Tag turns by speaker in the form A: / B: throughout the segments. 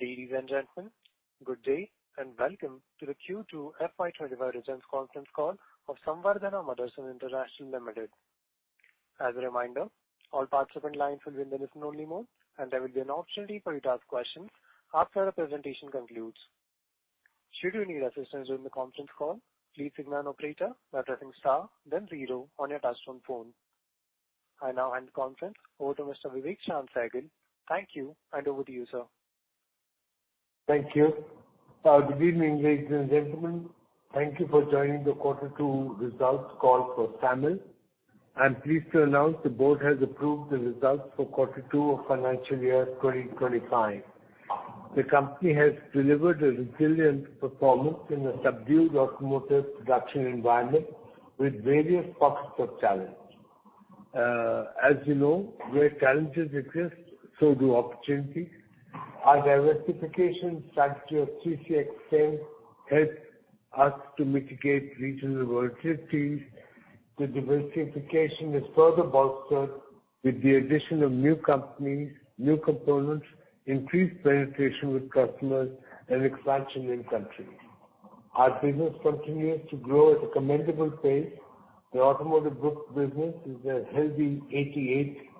A: Ladies and gentlemen, good day and welcome to the Q2 FY25 Earnings Conference Call of Samvardhana Motherson International Limited. As a reminder, all participant lines will be in the listen-only mode, and there will be an opportunity for you to ask questions after the presentation concludes. Should you need assistance during the conference call, please signal an operator by pressing star, then zero on your touch-tone phone. I now hand the conference over to Mr. Vivek Sehgal. Thank you, and over to you, sir.
B: Thank you. Good evening, ladies and gentlemen. Thank you for joining the Quarter 2 Results Call for SAMIL. I'm pleased to announce the board has approved the results for Quarter 2 of financial year 2025. The company has delivered a resilient performance in a subdued automotive production environment with various pockets of challenge. As you know, where challenges exist, so do opportunities. Our diversification strategy of 3C Extend helps us to mitigate regional volatilities. The diversification is further bolstered with the addition of new companies, new components, increased penetration with customers, and expansion in countries. Our business continues to grow at a commendable pace. The automotive book business is a healthy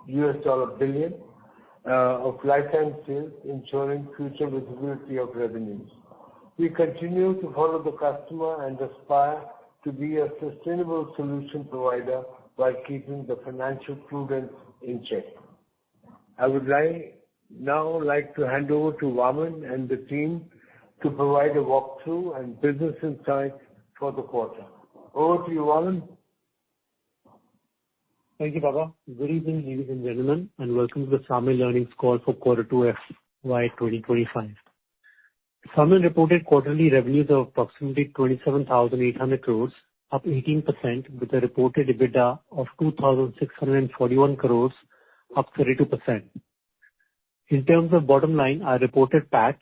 B: $88 billion of lifetime sales, ensuring future visibility of revenues. We continue to follow the customer and aspire to be a sustainable solution provider while keeping the financial prudence in check.I would now like to hand over to Vaaman and the team to provide a walkthrough and business insight for the quarter. Over to you, Vaaman.
C: Thank you, Baba. Good evening, ladies and gentlemen, and welcome to the SAMIL Earnings Call for Quarter 2 FY 2025. SAMIL reported quarterly revenues of approximately 27,800 crores, up 18%, with a reported EBITDA of 2,641 crores, up 32%. In terms of bottom line, our reported PAT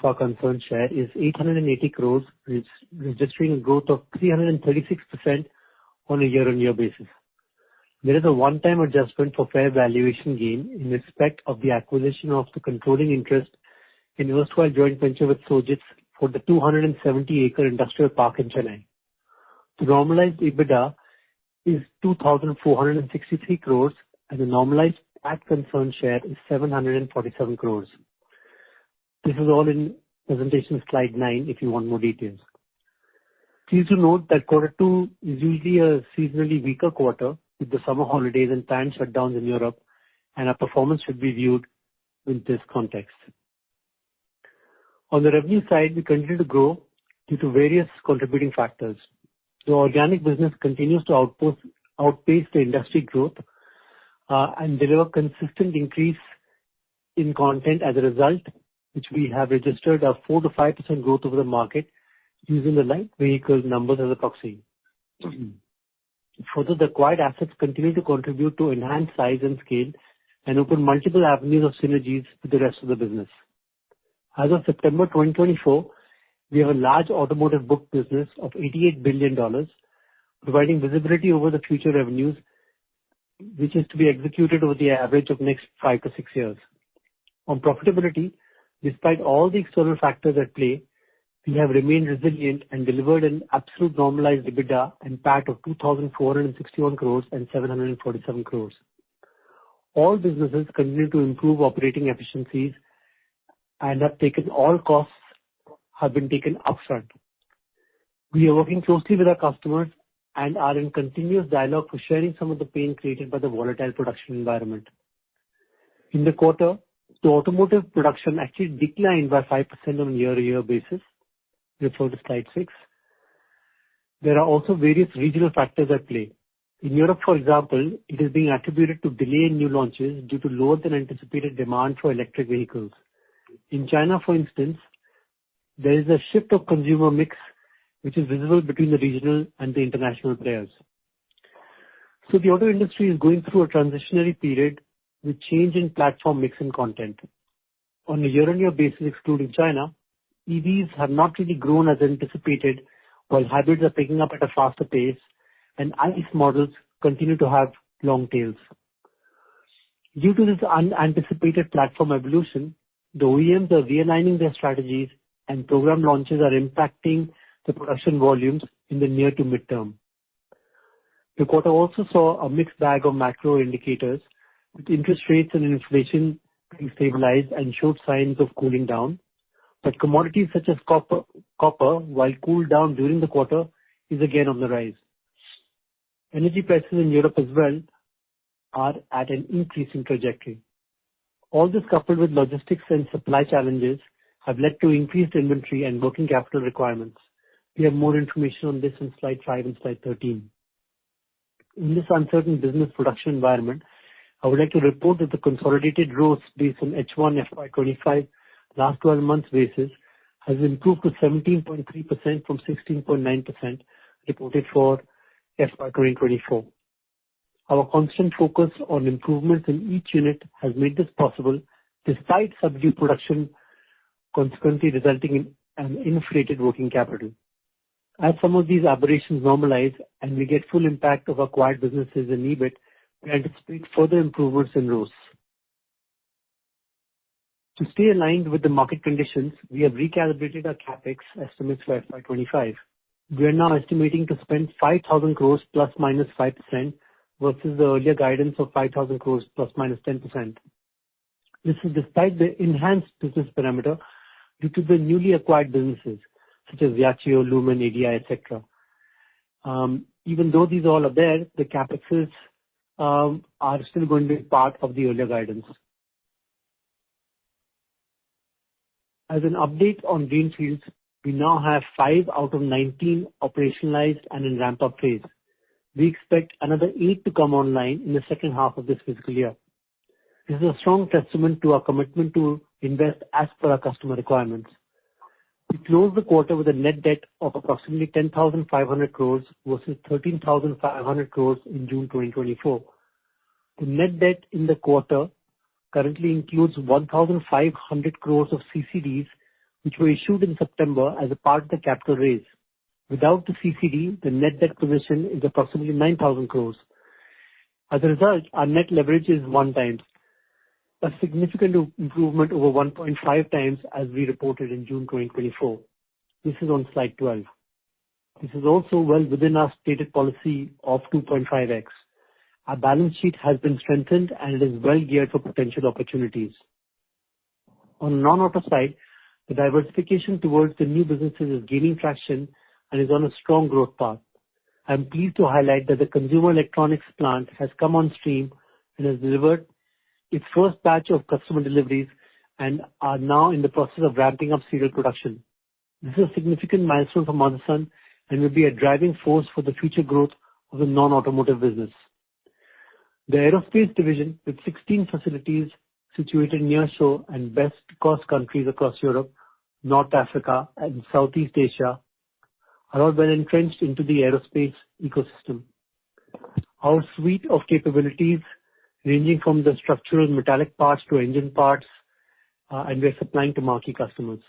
C: for consolidated share is 880 crores, registering a growth of 336% on a year-on-year basis. There is a one-time adjustment for fair valuation gain in respect of the acquisition of the controlling interest in MASL Joint Venture with Sojitz for the 270-acre industrial park in Chennai. The normalized EBITDA is 2,463 crores, and the normalized PAT consolidated share is 747 crores. This is all in presentation slide 9 if you want more details. Please do note that Quarter 2 is usually a seasonally weaker quarter, with the summer holidays and plant shutdowns in Europe, and our performance should be viewed in this context. On the revenue side, we continue to grow due to various contributing factors. The organic business continues to outpace the industry growth and deliver consistent increase in content as a result, which we have registered a 4%-5% growth over the market using the light vehicle numbers as a proxy. Further, the acquired assets continue to contribute to enhanced size and scale and open multiple avenues of synergies with the rest of the business. As of September 2024, we have a large automotive book business of $88 billion, providing visibility over the future revenues, which is to be executed over the average of next five to six years. On profitability, despite all the external factors at play, we have remained resilient and delivered an absolute normalized EBITDA and PAT of 2,461 crores and 747 crores. All businesses continue to improve operating efficiencies and all costs have been taken upfront. We are working closely with our customers and are in continuous dialogue for sharing some of the pain created by the volatile production environment. In the quarter, the automotive production actually declined by 5% on a year-on-year basis. Refer to slide 6. There are also various regional factors at play. In Europe, for example, it is being attributed to delay in new launches due to lower-than-anticipated demand for electric vehicles. In China, for instance, there is a shift of consumer mix, which is visible between the regional and the international players. So the auto industry is going through a transitionary period with change in platform mix and content. On a year-on-year basis, excluding China, EVs have not really grown as anticipated, while hybrids are picking up at a faster pace, and ICE models continue to have long tails. Due to this unanticipated platform evolution, the OEMs are realigning their strategies, and program launches are impacting the production volumes in the near to midterm. The quarter also saw a mixed bag of macro indicators, with interest rates and inflation stabilized and showed signs of cooling down. But commodities such as copper, while cooled down during the quarter, are again on the rise. Energy prices in Europe as well are at an increasing trajectory. All this coupled with logistics and supply challenges have led to increased inventory and working capital requirements. We have more information on this in slide 5 and slide 13. In this uncertain business production environment, I would like to report that the consolidated growth based on H1 FY25 last 12 months' basis has improved to 17.3% from 16.9% reported for FY2024. Our constant focus on improvements in each unit has made this possible despite subdued production, consequently resulting in an inflated working capital. As some of these aberrations normalize and we get full impact of acquired businesses and EBIT, we anticipate further improvements in growth. To stay aligned with the market conditions, we have recalibrated our CapEx estimates for FY25. We are now estimating to spend 5,000 crores plus minus 5% versus the earlier guidance of 5,000 crores plus minus 10%. This is despite the enhanced business parameter due to the newly acquired businesses such as Yachiyo, Lumen, ADI, etc. Even though these all are there, the CapExs are still going to be part of the earlier guidance. As an update on greenfields, we now have five out of 19 operationalized and in ramp-up phase. We expect another eight to come online in the second half of this fiscal year. This is a strong testament to our commitment to invest as per our customer requirements. We closed the quarter with a net debt of approximately 10,500 crores versus 13,500 crores in June 2024. The net debt in the quarter currently includes 1,500 crores of CCDs, which were issued in September as a part of the capital raise. Without the CCD, the net debt position is approximately 9,000 crores. As a result, our net leverage is one times, a significant improvement over 1.5 times as we reported in June 2024. This is on slide 12. This is also well within our stated policy of 2.5x. Our balance sheet has been strengthened, and it is well geared for potential opportunities. On the non-auto side, the diversification towards the new businesses is gaining traction and is on a strong growth path. I'm pleased to highlight that the consumer electronics plant has come on stream and has delivered its first batch of customer deliveries and are now in the process of ramping up serial production. This is a significant milestone for Motherson and will be a driving force for the future growth of the non-automotive business. The aerospace division, with 16 facilities situated nearshore and best-cost countries across Europe, North Africa, and Southeast Asia, are all well entrenched into the aerospace ecosystem. Our suite of capabilities ranging from the structural metallic parts to engine parts, and we are supplying to marquee customers.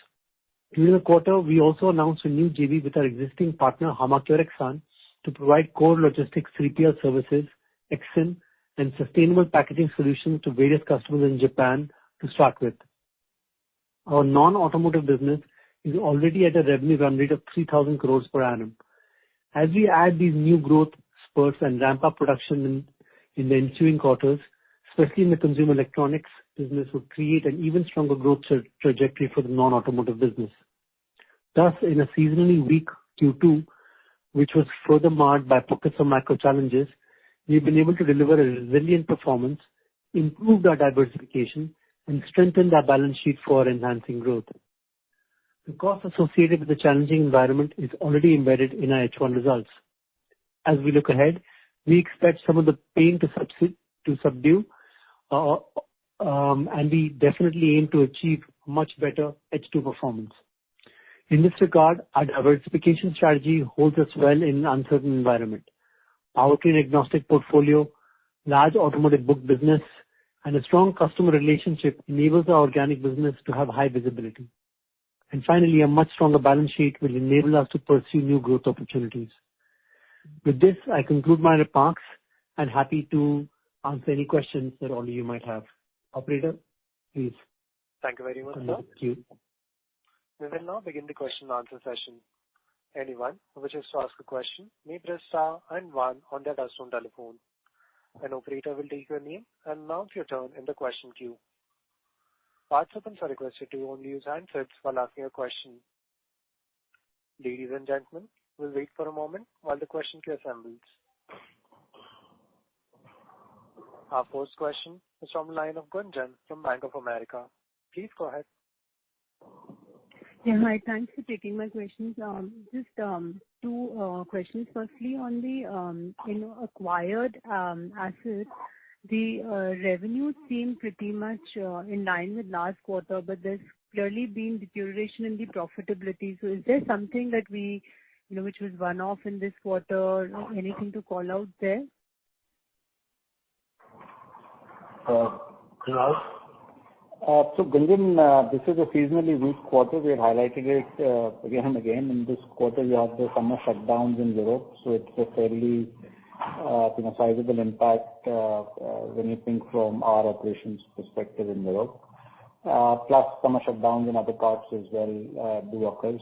C: During the quarter, we also announced a new JV with our existing partner, Hamakyorex, to provide core logistics 3PL services, exim, and sustainable packaging solutions to various customers in Japan to start with. Our non-automotive business is already at a revenue run rate of 3,000 crores per annum. As we add these new growth spurts and ramp-up production in the ensuing quarters, especially in the consumer electronics business, we'll create an even stronger growth trajectory for the non-automotive business. Thus, in a seasonally weak Q2, which was further marred by pockets of macro challenges, we've been able to deliver a resilient performance, improve our diversification, and strengthen our balance sheet for enhancing growth. The cost associated with the challenging environment is already embedded in our H1 results. As we look ahead, we expect some of the pain to subdue, and we definitely aim to achieve much better H2 performance. In this regard, our diversification strategy holds us well in an uncertain environment. Our agnostic portfolio, large automotive book business, and a strong customer relationship enable our organic business to have high visibility. And finally, a much stronger balance sheet will enable us to pursue new growth opportunities. With this, I conclude my remarks and happy to answer any questions that only you might have. Operator, please.
A: Thank you very much, sir.
B: Thank you.
A: We will now begin the question-and-answer session. Anyone who wishes to ask a question may press star and one on the touch-tone telephone. An operator will take your name and announce your turn in the question queue. Participants are requested to only use handsets while asking a question. Ladies and gentlemen, we'll wait for a moment while the question queue assembles. Our first question is from the line of Gunjan from Bank of America. Please go ahead.
D: Yeah, hi. Thanks for taking my questions. Just two questions. Firstly, on the acquired assets, the revenues seem pretty much in line with last quarter, but there's clearly been deterioration in the profitability. So is there something that was one-off in this quarter? Anything to call out there?
C: Gunjan, this is a seasonally weak quarter. We had highlighted it again and again. In this quarter, you have the summer shutdowns in Europe, so it's a fairly sizable impact when you think from our operations perspective in Europe. Plus, summer shutdowns in other parts as well do occur.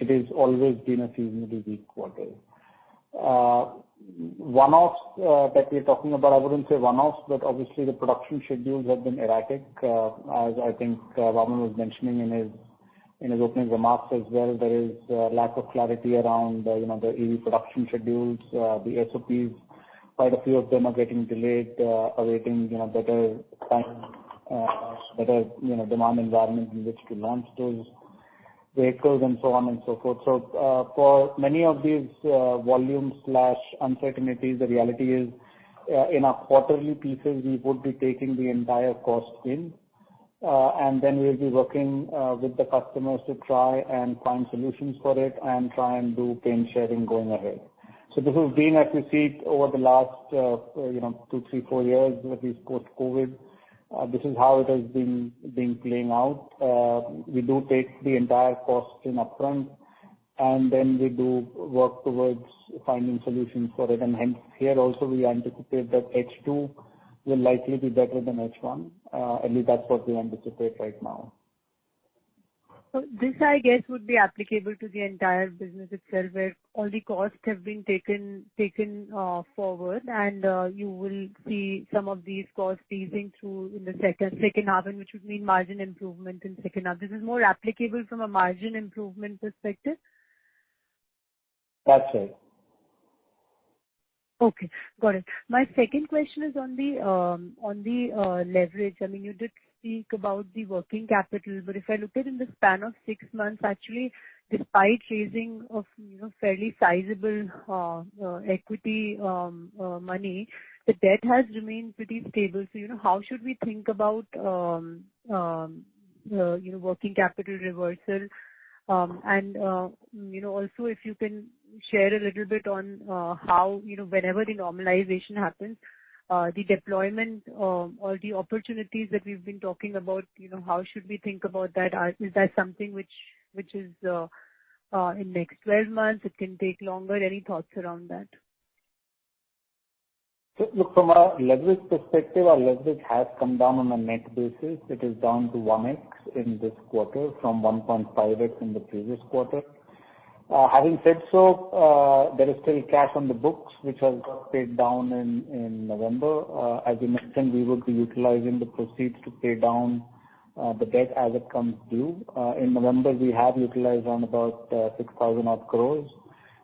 C: It has always been a seasonally weak quarter. One-offs that we're talking about, I wouldn't say one-offs, but obviously, the production schedules have been erratic. As I think Vaaman was mentioning in his opening remarks as well, there is a lack of clarity around the EV production schedules. The SOPs, quite a few of them are getting delayed, awaiting better demand environment in which to launch those vehicles and so on and so forth. So for many of these volume/uncertainty, the reality is in our quarterly pieces, we would be taking the entire cost in, and then we'll be working with the customers to try and find solutions for it and try and do pain sharing going ahead. So this has been, as we see it, over the last two, three, four years at least post-COVID. This is how it has been playing out. We do take the entire cost in upfront, and then we do work towards finding solutions for it. And hence, here also, we anticipate that H2 will likely be better than H1. At least that's what we anticipate right now.
D: So this, I guess, would be applicable to the entire business itself, where all the costs have been taken forward, and you will see some of these costs easing through in the second half, which would mean margin improvement in the second half. This is more applicable from a margin improvement perspective?
C: That's right.
D: Okay. Got it. My second question is on the leverage. I mean, you did speak about the working capital, but if I look at it in the span of six months, actually, despite raising of fairly sizable equity money, the debt has remained pretty stable. So how should we think about working capital reversal? And also, if you can share a little bit on how, whenever the normalization happens, the deployment or the opportunities that we've been talking about, how should we think about that? Is that something which is in next 12 months? It can take longer. Any thoughts around that?
C: Look, from a leverage perspective, our leverage has come down on a net basis. It is down to 1x in this quarter from 1.5x in the previous quarter. Having said so, there is still cash on the books, which has got paid down in November. As you mentioned, we would be utilizing the proceeds to pay down the debt as it comes due. In November, we have utilized around about 6,000-odd crores.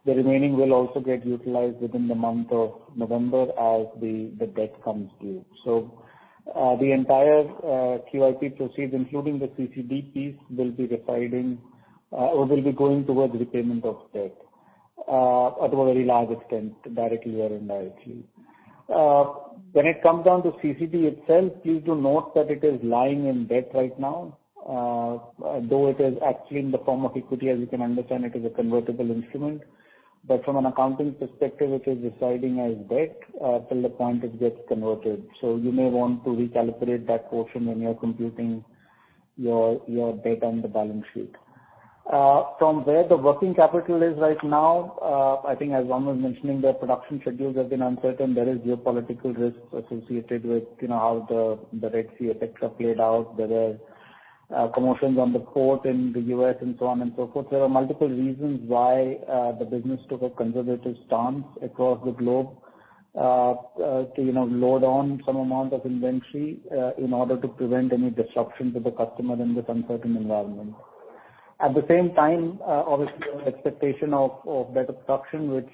C: The remaining will also get utilized within the month of November as the debt comes due. So the entire QIP proceeds, including the CCD piece, will be deciding or will be going towards repayment of debt to a very large extent, directly or indirectly. When it comes down to CCD itself, please do note that it is lying in debt right now, though it is actually in the form of equity. As you can understand, it is a convertible instrument. But from an accounting perspective, it is residing as debt till the point it gets converted. So you may want to recalibrate that portion when you're computing your debt on the balance sheet. From where the working capital is right now, I think, as Vaaman was mentioning, the production schedules have been uncertain. There are geopolitical risks associated with how the Red Sea etc. played out, whether congestions on the port in the U.S. and so on and so forth. There are multiple reasons why the business took a conservative stance across the globe to load on some amount of inventory in order to prevent any disruption to the customer in this uncertain environment. At the same time, obviously, the expectation of better production, which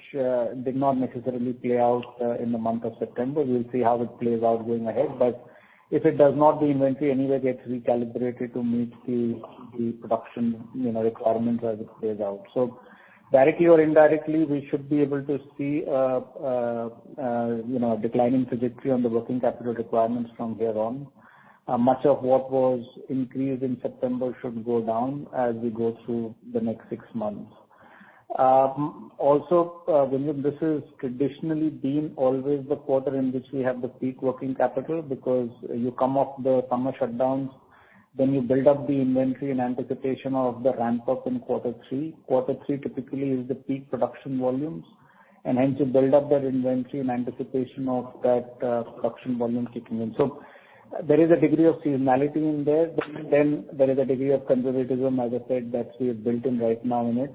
C: did not necessarily play out in the month of September. We'll see how it plays out going ahead. But if it does not, the inventory anyway gets recalibrated to meet the production requirements as it plays out. So directly or indirectly, we should be able to see a declining trajectory on the working capital requirements from here on. Much of what was increased in September should go down as we go through the next six months. Also, Gunjan, this has traditionally been always the quarter in which we have the peak working capital because you come off the summer shutdowns, then you build up the inventory in anticipation of the ramp-up in quarter three. Quarter three typically is the peak production volumes, and hence you build up that inventory in anticipation of that production volume kicking in. There is a degree of seasonality in there, but then there is a degree of conservatism, as I said, that we have built in right now in it,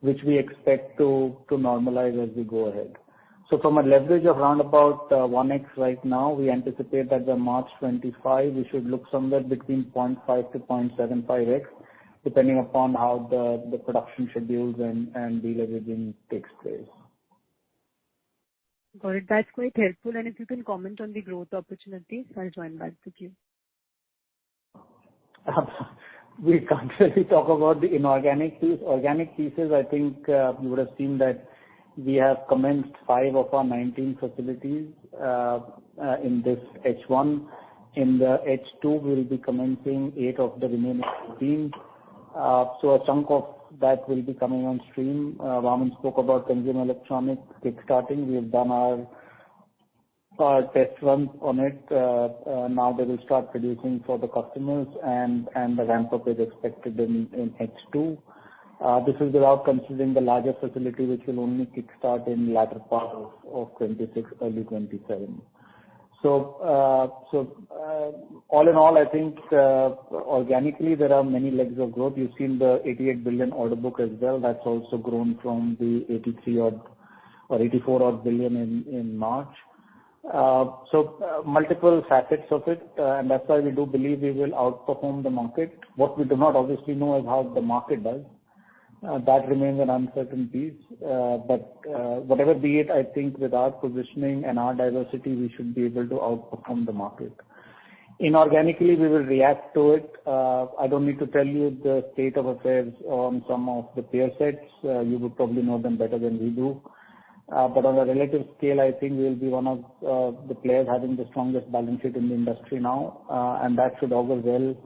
C: which we expect to normalize as we go ahead. So from a leverage of around about 1x right now, we anticipate that by March 25, we should look somewhere between 0.5-0.75x, depending upon how the production schedules and de-leveraging takes place.
D: Got it. That's quite helpful. And if you can comment on the growth opportunities, I'll join back to you.
C: We can't really talk about the inorganic piece. Organic pieces, I think you would have seen that we have commenced five of our 19 facilities in this H1. In the H2, we'll be commencing eight of the remaining 14. So a chunk of that will be coming on stream. Vaaman spoke about consumer electronics kickstarting. We have done our test runs on it. Now they will start producing for the customers, and the ramp-up is expected in H2. This is without considering the larger facility, which will only kickstart in the latter part of 2026, early 2027. So all in all, I think organically, there are many legs of growth. You've seen the 88 billion order book as well. That's also grown from the 83 or 84-odd billion in March. So multiple facets of it, and that's why we do believe we will outperform the market. What we do not obviously know is how the market does. That remains an uncertain piece. But whatever be it, I think with our positioning and our diversity, we should be able to outperform the market. Inorganically, we will react to it. I don't need to tell you the state of affairs on some of the peer sets. You would probably know them better than we do. But on a relative scale, I think we'll be one of the players having the strongest balance sheet in the industry now, and that should augur well,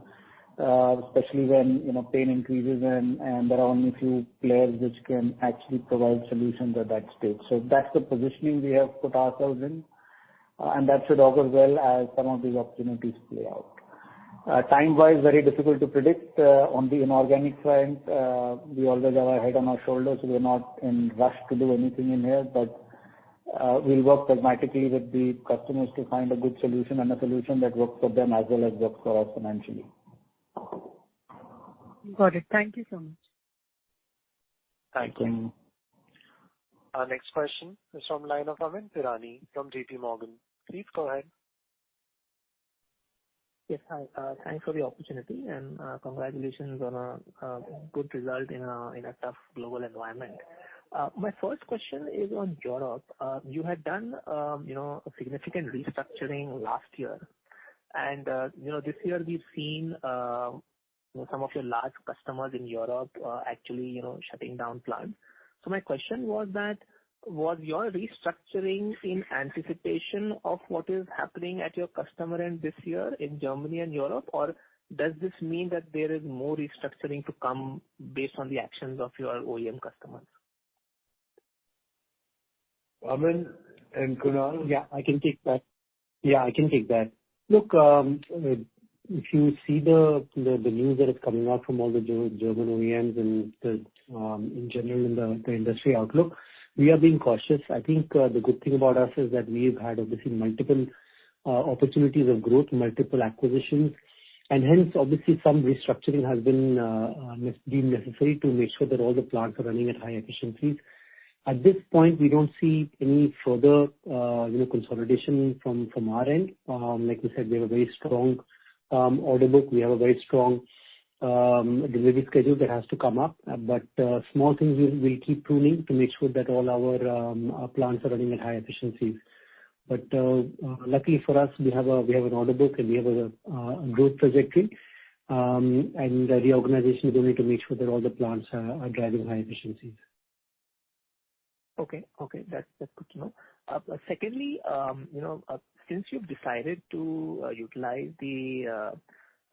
C: especially when pain increases and there are only a few players which can actually provide solutions at that stage. So that's the positioning we have put ourselves in, and that should augur well as some of these opportunities play out. Time-wise, very difficult to predict. On the inorganic side, we always have our head on our shoulders, so we're not in rush to do anything in here, but we'll work pragmatically with the customers to find a good solution and a solution that works for them as well as works for us financially.
D: Got it. Thank you so much.
A: Thank you. Our next question is from the line of Amyn Pirani from J.P. Morgan. Please go ahead.
D: Yes. Thanks for the opportunity, and congratulations on a good result in a tough global environment. My first question is on Europe. You had done a significant restructuring last year, and this year, we've seen some of your large customers in Europe actually shutting down plants. So my question was that, was your restructuring in anticipation of what is happening at your customer end this year in Germany and Europe, or does this mean that there is more restructuring to come based on the actions of your OEM customers?
B: Amyn and Kunal, yeah, I can take that.
E: Yeah, I can take that. Look, if you see the news that is coming out from all the German OEMs and in general in the industry outlook, we are being cautious. I think the good thing about us is that we've had, obviously, multiple opportunities of growth, multiple acquisitions, and hence, obviously, some restructuring has been necessary to make sure that all the plants are running at high efficiencies. At this point, we don't see any further consolidation from our end. Like you said, we have a very strong order book. We have a very strong delivery schedule that has to come up, but small things we'll keep pruning to make sure that all our plants are running at high efficiencies. But luckily for us, we have an order book, and we have a growth trajectory, and the reorganization is only to make sure that all the plants are driving high efficiencies.
F: Okay. Okay. That's good to know. Secondly, since you've decided to utilize the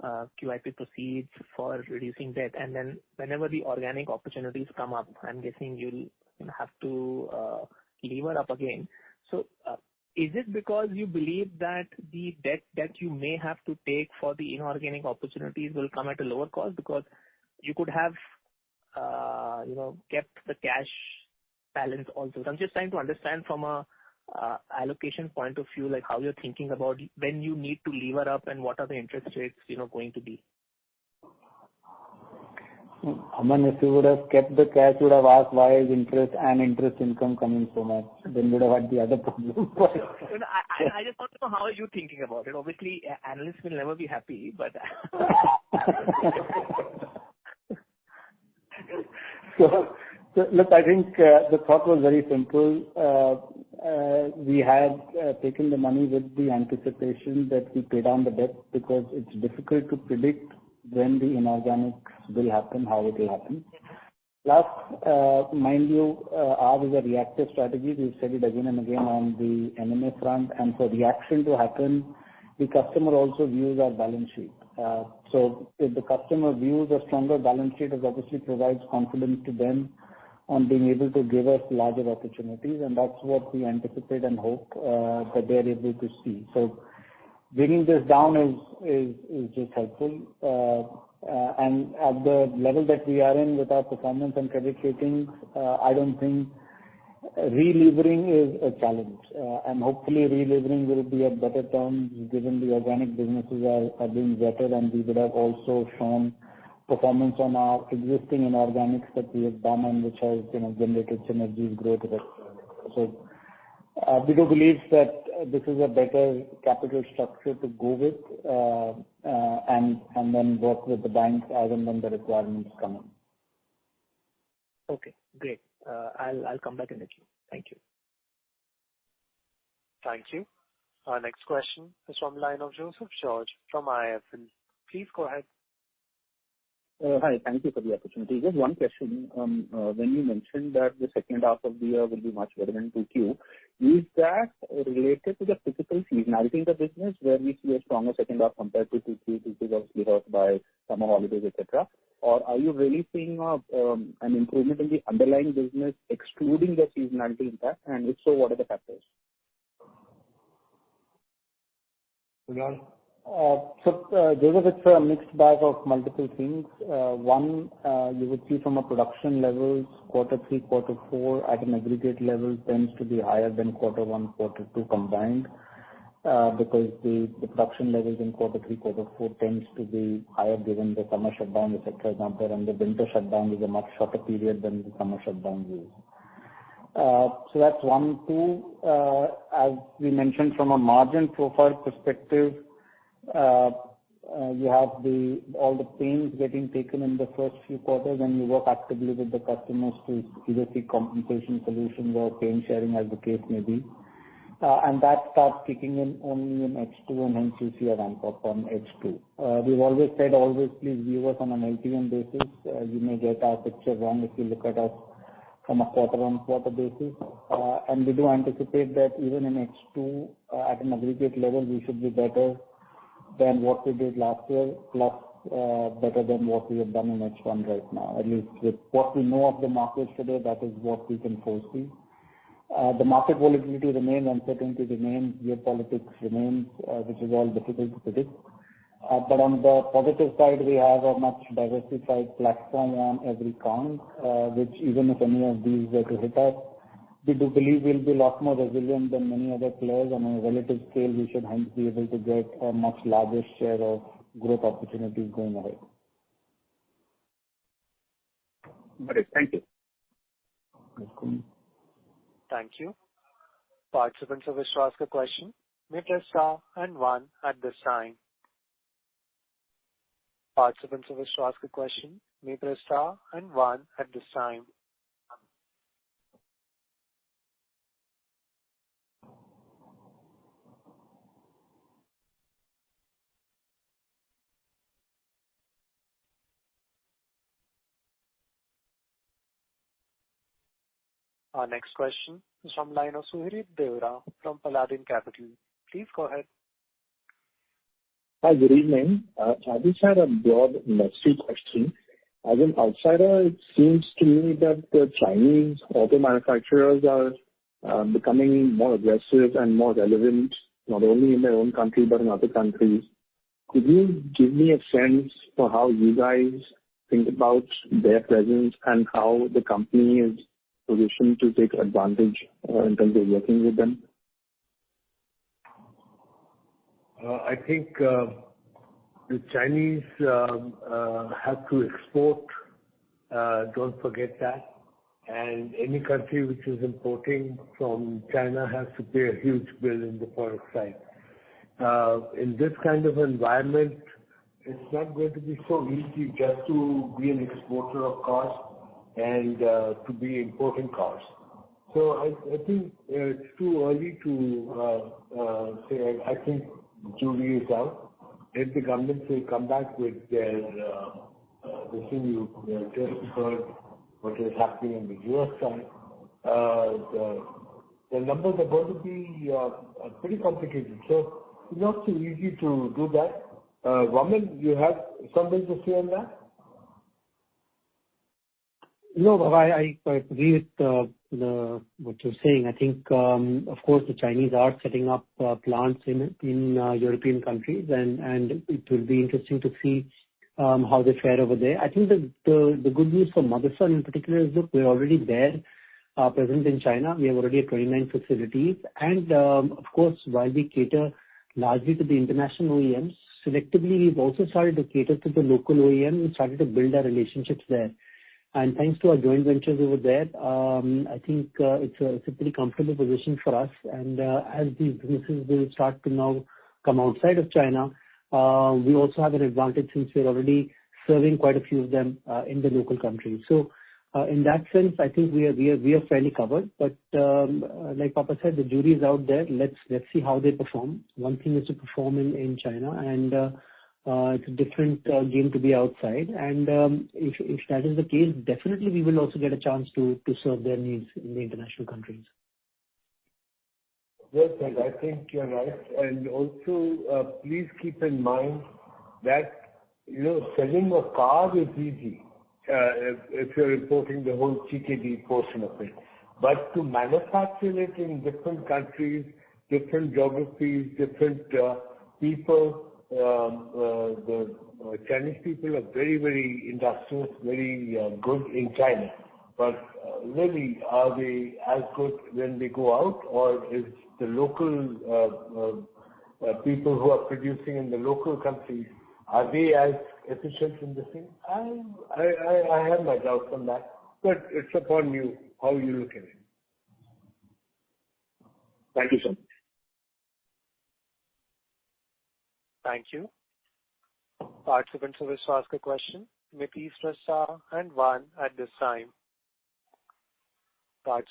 F: QIP proceeds for reducing debt, and then whenever the organic opportunities come up, I'm guessing you'll have to lever up again. So is it because you believe that the debt that you may have to take for the inorganic opportunities will come at a lower cost because you could have kept the cash balance also? I'm just trying to understand from an allocation point of view, how you're thinking about when you need to lever up and what are the interest rates going to be?
G: Amyn, if you would have kept the cash, you would have asked, "Why is interest and interest income coming so much?" Then you would have had the other problem.
F: I just want to know how you're thinking about it. Obviously, analysts will never be happy, but.
B: So look, I think the thought was very simple. We had taken the money with the anticipation that we paid down the debt because it's difficult to predict when the inorganics will happen, how it will happen. Last, mind you, ours is a reactive strategy. We've said it again and again on the M&A front. And for reaction to happen, the customer also views our balance sheet. So if the customer views a stronger balance sheet, it obviously provides confidence to them on being able to give us larger opportunities, and that's what we anticipate and hope that they are able to see. So bringing this down is just helpful. And at the level that we are in with our performance and credit ratings, I don't think relevering is a challenge. Hopefully, relevering will be at better terms given the organic businesses are doing better, and we would have also shown performance on our existing inorganics that we have done and which has generated synergies growth. We do believe that this is a better capital structure to go with and then work with the banks as and when the requirements come.
D: Okay. Great. I'll come back in a few. Thank you.
A: Thank you. Our next question is from Joseph George from IIFL. Please go ahead.
D: Hi. Thank you for the opportunity. Just one question. When you mentioned that the second half of the year will be much better than Q2, is that related to the physical seasonality in the business where we see a stronger second half compared to Q2? Q2 is obviously hurt by summer holidays, etc. Or are you really seeing an improvement in the underlying business excluding the seasonality impact? And if so, what are the factors?
B: So Joseph, it's a mixed bag of multiple things. One, you would see from a production levels, quarter three, quarter four, at an aggregate level tends to be higher than quarter one, quarter two combined because the production levels in quarter three, quarter four tends to be higher given the summer shutdown, etc., down there, and the winter shutdown is a much shorter period than the summer shutdown is. So that's one. Two, as we mentioned, from a margin profile perspective, you have all the pains getting taken in the first few quarters, and you work actively with the customers to either seek compensation solutions or pain sharing, as the case may be. And that starts kicking in only in H2, and hence you see a ramp-up on H2. We've always said, "Always please view us on an LTM basis." You may get our picture wrong if you look at us from a quarter-on-quarter basis, and we do anticipate that even in H2, at an aggregate level, we should be better than what we did last year, plus better than what we have done in H1 right now, at least with what we know of the markets today. That is what we can foresee. The market volatility remains, uncertainty remains, geopolitics remains, which is all difficult to predict, but on the positive side, we have a much diversified platform on every count. Even if any of these were to hit us, we do believe we'll be a lot more resilient than many other players. On a relative scale, we should hence be able to get a much larger share of growth opportunities going ahead.
D: Got it. Thank you.
A: Thank you. Participants to ask Question, you press one and star this time. Our next question is from line of Suhrid Deorah from Paladin Capital. Please go ahead.
D: Hi. Good evening. I just had a broad industry question. As an outsider, it seems to me that Chinese auto manufacturers are becoming more aggressive and more relevant, not only in their own country but in other countries. Could you give me a sense for how you guys think about their presence and how the company is positioned to take advantage in terms of working with them?
B: I think the Chinese have to export. Don't forget that, and any country which is importing from China has to pay a huge bill in the forex side. In this kind of environment, it's not going to be so easy just to be an exporter of cars and to be importing cars, so I think it's too early to say. I think Julie is out. If the governments will come back with their—this is what you just heard, what is happening on the U.S. side. The numbers are going to be pretty complicated, so it's not so easy to do that. Vaaman, you have something to say on that?
C: No, I agree with what you're saying. I think, of course, the Chinese are setting up plants in European countries, and it will be interesting to see how they fare over there. I think the good news for Motherson in particular is, look, we're already there, present in China. We have already 29 facilities. And of course, while we cater largely to the international OEMs, selectively, we've also started to cater to the local OEMs and started to build our relationships there. And thanks to our joint ventures over there, I think it's a pretty comfortable position for us. And as these businesses will start to now come outside of China, we also have an advantage since we're already serving quite a few of them in the local countries. So in that sense, I think we are fairly covered. But like Baba said, the jury is out there. Let's see how they perform. One thing is to perform in China, and it's a different game to be outside. And if that is the case, definitely, we will also get a chance to serve their needs in the international countries.
B: Well, I think you're right. And also, please keep in mind that selling a car is easy if you're importing the whole CKD portion of it. But to manufacture it in different countries, different geographies, different people, the Chinese people are very, very industrious, very good in China. But really, are they as good when they go out, or is the local people who are producing in the local countries, are they as efficient in this thing? I have my doubts on that, but it's upon you how you look at it.
D: Thank you so much.
A: Thank you. Participants to ask Question, please press star and one at this time. Next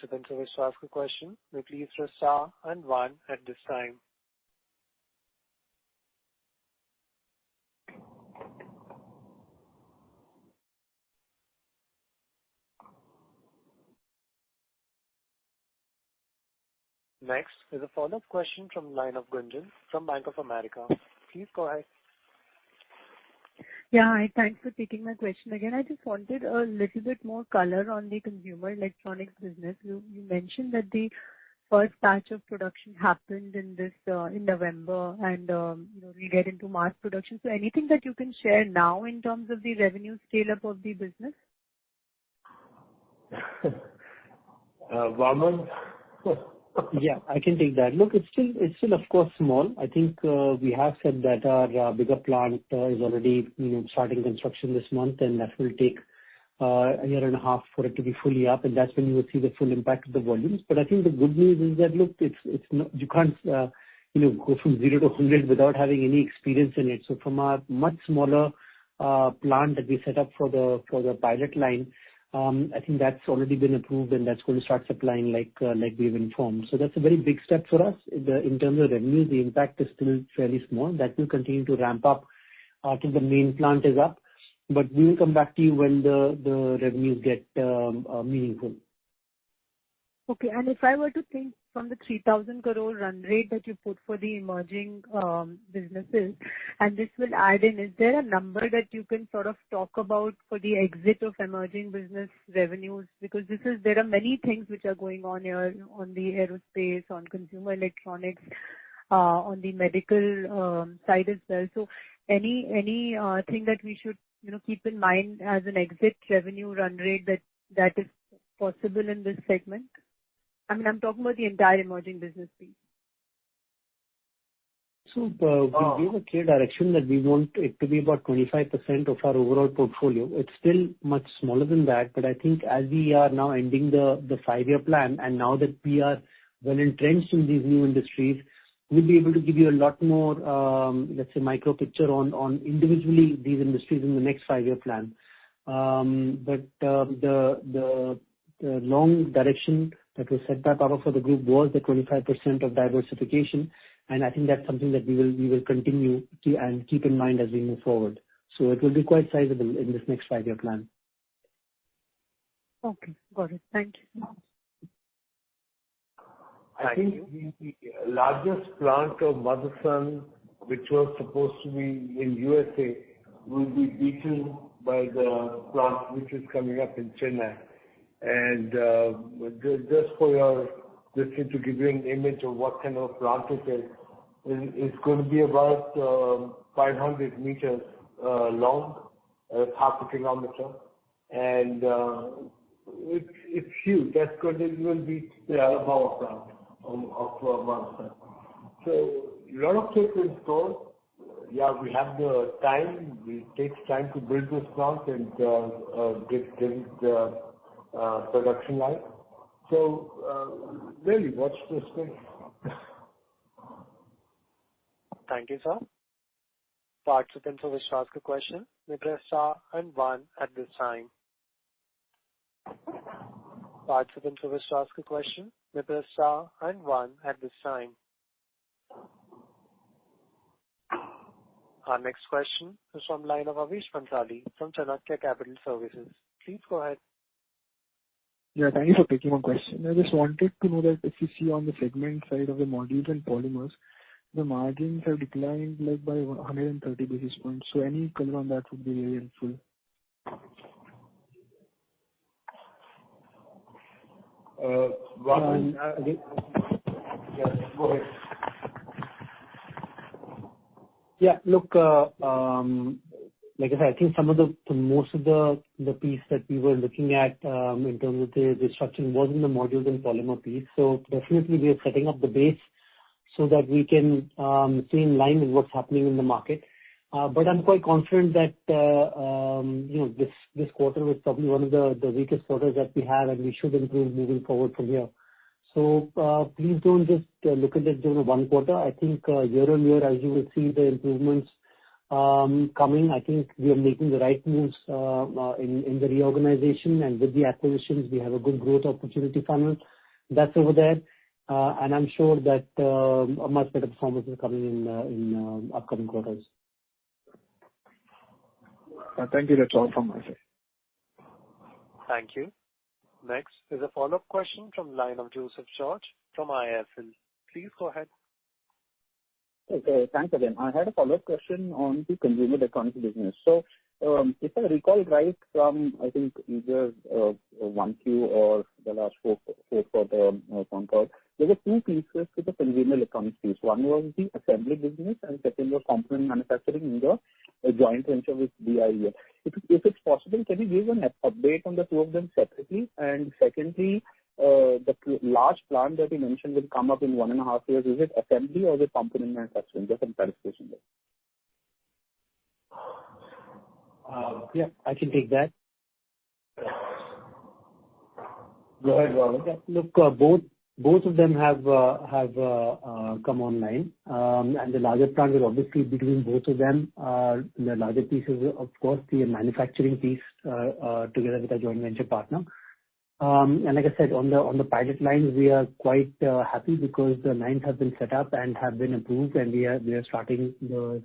A: is a follow-up question from the line of Gunjan from Bank of America. Please go ahead.
D: Yeah. Hi. Thanks for taking my question again. I just wanted a little bit more color on the consumer electronics business. You mentioned that the first batch of production happened in November, and we get into mass production. So anything that you can share now in terms of the revenue scale-up of the business?
B: Vaaman.
C: Yeah. I can take that. Look, it's still, of course, small. I think we have said that our bigger plant is already starting construction this month, and that will take a year and a half for it to be fully up, and that's when you will see the full impact of the volumes. But I think the good news is that, look, you can't go from 0 to 100 without having any experience in it, so from a much smaller plant that we set up for the pilot line, I think that's already been approved, and that's going to start supplying like we've informed, so that's a very big step for us. In terms of revenues, the impact is still fairly small. That will continue to ramp up until the main plant is up, but we will come back to you when the revenues get meaningful.
D: Okay, and if I were to think from the 3,000-car rate that you put for the emerging businesses, and this will add in, is there a number that you can sort of talk about for the exit of emerging business revenues? Because there are many things which are going on here on the aerospace, on consumer electronics, on the medical side as well, so anything that we should keep in mind as an exit revenue run rate that is possible in this segment? I mean, I'm talking about the entire emerging business piece.
C: We have a clear direction that we want it to be about 25% of our overall portfolio. It's still much smaller than that, but I think as we are now ending the five-year plan, and now that we are well entrenched in these new industries, we'll be able to give you a lot more, let's say, micro-picture on individually these industries in the next five-year plan. But the long direction that was set by Papa for the group was the 25% of diversification. And I think that's something that we will continue to keep in mind as we move forward. It will be quite sizable in this next five-year plan.
D: Okay. Got it. Thank you.
B: I think the largest plant of Motherson, which was supposed to be in the USA, will be beaten by the plant which is coming up in Chennai. And just for your listeners to give you an image of what kind of plant it is, it's going to be about 500 meters long, half a kilometer. And it's huge. That's going to even beat the power plant of Motherson. So a lot of things in store. Yeah, we have the time. It takes time to build this plant and get it production line. So really, what's the space?
A: Thank you, sir. Our next question is from the line of Avish Bhansali from Chanakya Capital Services. Please go ahead.
D: Yeah. Thank you for taking my question. I just wanted to know that if you see on the segment side of the Modules and Polymers, the margins have declined by 130 basis points. So any color on that would be very helpful.
B: Vaaman, again. Yeah. Go ahead.
C: Yeah. Look, like I said, I think some of the most of the piece that we were looking at in terms of the structure was in the Modules and Polymers piece. So definitely, we are setting up the base so that we can stay in line with what's happening in the market. But I'm quite confident that this quarter was probably one of the weakest quarters that we have, and we should improve moving forward from here. So please don't just look at it during one quarter. I think year on year, as you will see the improvements coming, I think we are making the right moves in the reorganization. And with the acquisitions, we have a good growth opportunity funnel that's over there. And I'm sure that much better performance is coming in upcoming quarters.
D: Thank you. That's all from my side.
A: Thank you. Next is a follow-up question from line of Joseph George from IIFL. Please go ahead.
D: Okay. Thanks again. I had a follow-up question on the consumer electronics business. So if I recall right from, I think, either 1Q or the last four quarter phone call, there were two pieces to the consumer electronics piece. One was the assembly business, and the second was component manufacturing in the joint venture with Biel If it's possible, can you give an update on the two of them separately? And secondly, the large plant that you mentioned will come up in one and a half years. Is it assembly or is it component manufacturing? Just some clarification there.
C: Yeah. I can take that.
B: Go ahead, Vaaman.
C: Look, both of them have come online, and the larger plant will obviously be doing both of them. The larger piece is, of course, the manufacturing piece together with our joint venture partner, and like I said, on the pilot lines, we are quite happy because the lines have been set up and have been approved, and we are starting the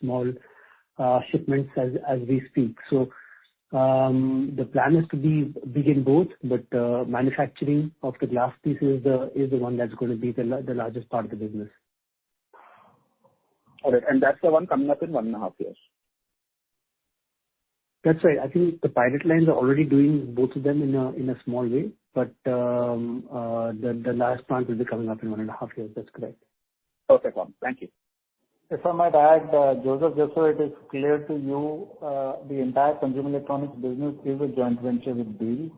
C: small shipments as we speak. The plan is to begin both, but manufacturing of the glass pieces is the one that's going to be the largest part of the business.
H: Got it. And that's the one coming up in one and a half years?
C: That's right. I think the pilot lines are already doing both of them in a small way, but the last plant will be coming up in one and a half years. That's correct.
H: Perfect, Vaaman. Thank you.
B: If I might add, Joseph, just so it is clear to you, the entire consumer electronics business is a joint venture with BIEL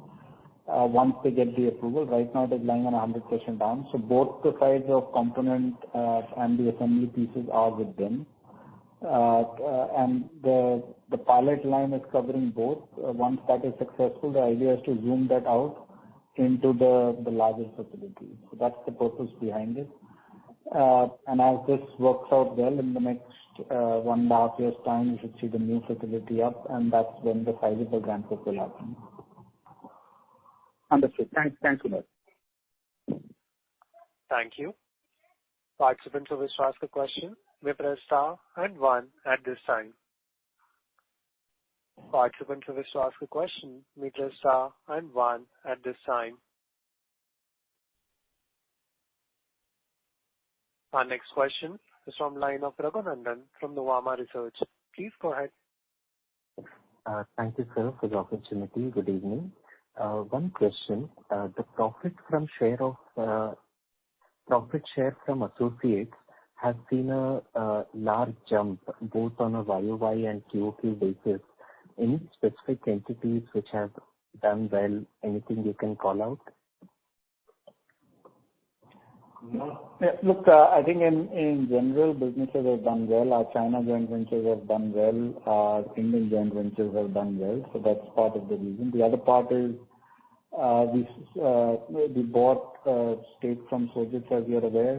B: once they get the approval. Right now, it's 100% owned, so both the supply of components and the assembly pieces are with them. And the pilot line is covering both. Once that is successful, the idea is to zoom that out into the larger facility, so that's the purpose behind it, and as this works out well in the next one and a half years' time, we should see the new facility up, and that's when the scaling will happen.
H: Understood. Thanks. Thank you, sir.
A: Thank you. Our next question is from the line of Raghunandhan from the Nuvama Institutional Equities. Please go ahead.
I: Thank you, sir, for the opportunity. Good evening. One question. The profit share from associates has seen a large jump, both on a YOY and QOQ basis. Any specific entities which have done well? Anything you can call out?
E: Look, I think in general, businesses have done well. Our China joint ventures have done well. Our Indian joint ventures have done well. So that's part of the reason. The other part is we bought stake from Sojitz, as you're aware,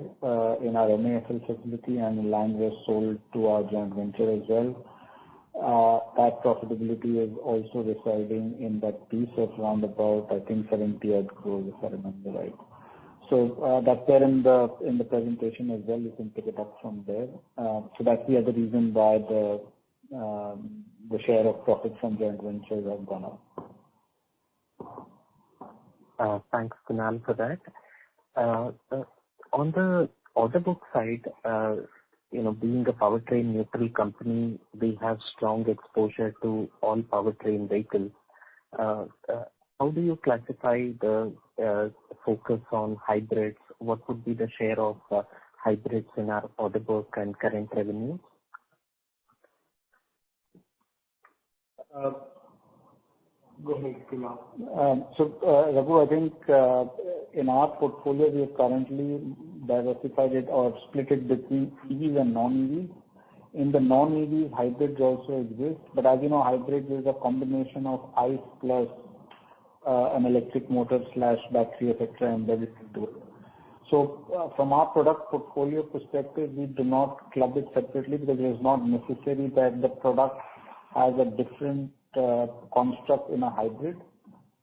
E: in our MASL facility, and the lines were sold to our joint venture as well. That profitability is also residing in that piece of around about, I think, 70-odd crores, if I remember right. So that's there in the presentation as well. You can pick it up from there. So that's the other reason why the share of profit from joint ventures has gone up.
I: Thanks, Kunal, for that. On the order book side, being a powertrain neutral company, we have strong exposure to all powertrain vehicles. How do you classify the focus on hybrids? What would be the share of hybrids in our order book and current revenues?
B: Go ahead, Kunal.
E: So I think in our portfolio, we have currently diversified it or split it between EVs and non-EVs. In the non-EVs, hybrids also exist. But as you know, hybrids is a combination of ICE plus an electric motor/battery, etc., embedded into it. So from our product portfolio perspective, we do not club it separately because it is not necessary that the product has a different construct in a hybrid.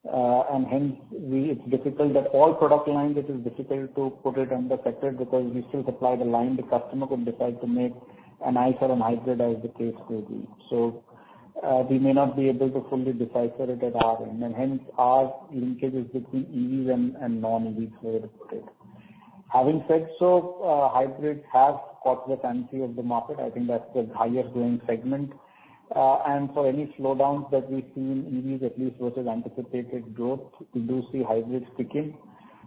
E: And hence, it is difficult to put it under separate because we still supply the line. The customer could decide to make an ICE or a hybrid as the case may be. So we may not be able to fully decipher it at our end. And hence, our linkage is between EVs and non-EVs where we put it. Having said so, hybrids have caught the fancy of the market. I think that's the higher-going segment. And for any slowdowns that we see in EVs, at least versus anticipated growth, we do see hybrids kick in.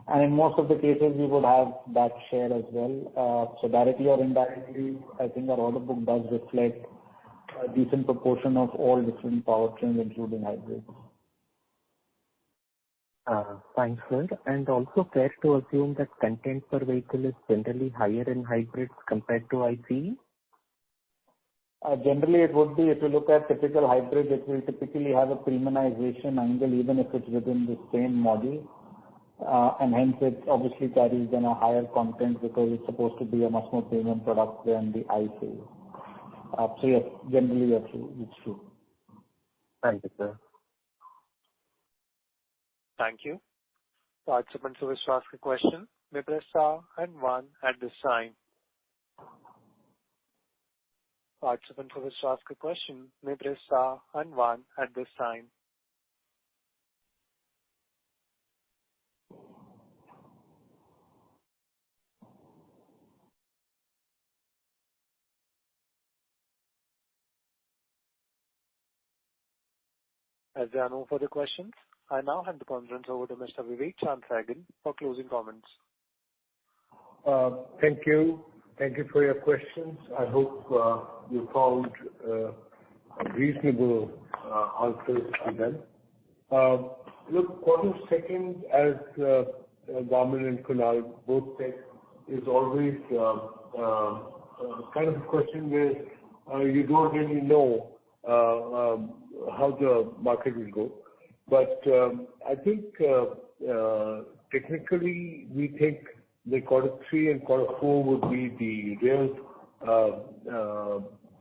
E: And in most of the cases, we would have that share as well. So directly or indirectly, I think our order book does reflect a decent proportion of all different powertrains, including hybrids.
I: Thanks, sir. And also fair to assume that content per vehicle is generally higher in hybrids compared to ICE?
E: Generally, it would be. If you look at typical hybrids, it will typically have a premiumization angle, even if it's within the same module, and hence, it obviously carries then a higher content because it's supposed to be a much more premium product than the ICE, so yes, generally, it's true.
I: Thank you, sir.
A: Thank you. Participants to ask Question, Please press star and one at this time. As there are no further questions, I now hand the conference over to Mr. Vivek Chaand Sehgal for closing comments.
B: Thank you. Thank you for your questions. I hope you found reasonable answers to them. Look, what you're saying as Vaaman and Kunal both said is always kind of a question where you don't really know how the market will go. But I think technically, we think the Quad 3 and Quad 4 would be the real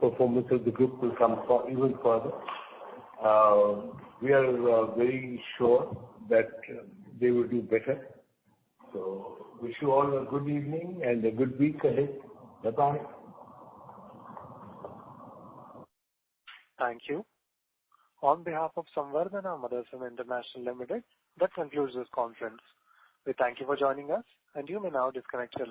B: performance of the group will come even further. We are very sure that they will do better. So wish you all a good evening and a good week ahead. Bye-bye.
A: Thank you. On behalf of Samvardhana Motherson International Limited, that concludes this conference. We thank you for joining us, and you may now disconnect us.